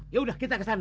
yaudah kita ke sana